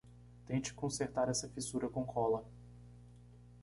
Tente consertar essa fissura com cola.